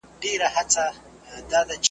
دا د شیخانو له دستاره سره نه جوړیږي .